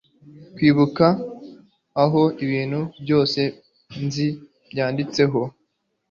Kwibuka aho ibintu byose nzi byanditseho